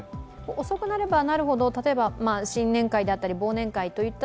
遅くなればなるほど、例えば新年会であったり、忘年会といった